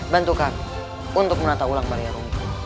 bantukan untuk menata ulang barang yang unggul